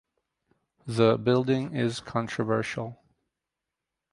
The building is controversial.